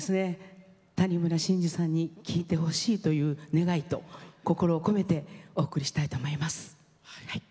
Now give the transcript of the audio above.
谷村新司さんに聴いてほしいという願いと心を込めてお送りしたいと思います。